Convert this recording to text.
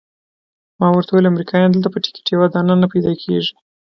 ما ورته وویل امریکایان دلته په ټکټ یو دانه نه پیدا کیږي.